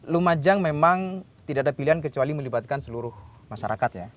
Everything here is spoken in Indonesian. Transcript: lumajang memang tidak ada pilihan kecuali melibatkan seluruh masyarakat ya